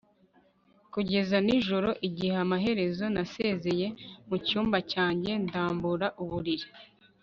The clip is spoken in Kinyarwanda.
kugeza nijoro. igihe amaherezo nasezeye mucyumba cyanjye, ndambura uburiri